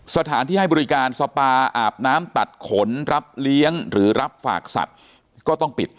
สถานที่ให้บริการสปาอาบน้ำตัดขนรับเลี้ยงหรือรับฝากสัตว์ก็ต้องปิด